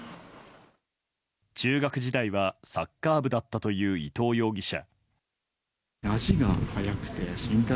中学時代はサッカー部だったという伊藤容疑者。